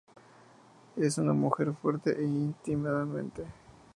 Es una mujer fuerte e intimidante.